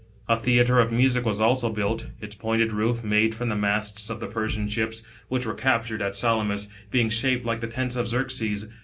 A theatre of music was also built, its pointed roof, made from the masts of the Persian ships which were captured at Salamis, being shaped like the tents of Xerxes.